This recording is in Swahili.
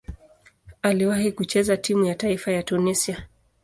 Aliwahi kucheza timu ya taifa ya Tunisia.